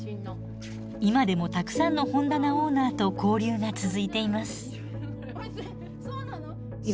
今でもたくさんの本棚オーナーと交流が続いています。